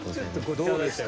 どうですか？